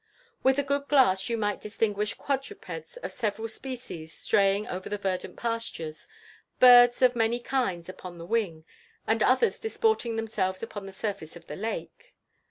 With a good glass you might distinguish quadrupeds of several species straying over the verdant pastures; birds of many kinds upon the wing, and others disporting themselves upon the surface of the lake.